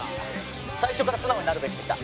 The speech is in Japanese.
最初から素直になるべきでした。